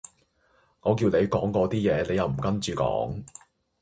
我叫你講嗰啲嘢你又唔跟住講